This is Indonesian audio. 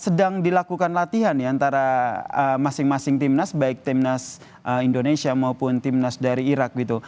sedang dilakukan latihan ya antara masing masing timnas baik timnas indonesia maupun timnas dari irak gitu